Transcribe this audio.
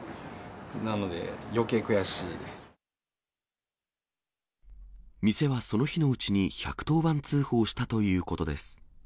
なので、店はその日のうちに１１０番通報したということです。